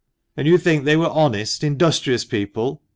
"And you think they were honest, industrious people?"